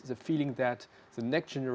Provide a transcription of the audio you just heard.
yang sangat besar